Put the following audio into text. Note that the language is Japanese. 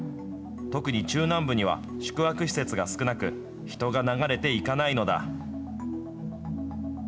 特に中南部には宿泊施設が少なく、人が流れていかないのだ。